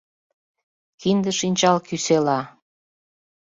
КИНДЕ-ШИНЧАЛ КӰСЕЛА